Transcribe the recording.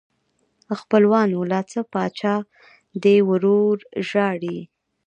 خپلوانو لا څه پاچا دې ورور ژاړي.